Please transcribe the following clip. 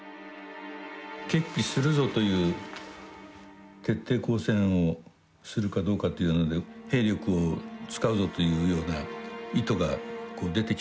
決起するぞという徹底抗戦をするかどうかというので兵力を使うぞというような意図が出てきてるわけですね。